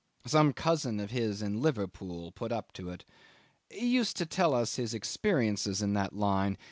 Some cousin of his in Liverpool put up to it. He used to tell us his experiences in that line.